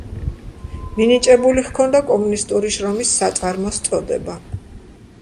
მინიჭებული ჰქონდა კომუნისტური შრომის საწარმოს წოდება.